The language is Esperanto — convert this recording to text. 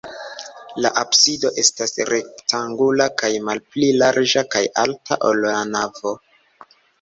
La absido estas rektangula kaj malpli larĝa kaj alta, ol la navo.